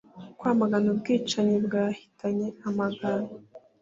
kwamaganaga ubwicanyi bwahitanye amagana